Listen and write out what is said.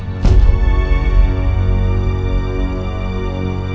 tidak ada yang bisa mencoba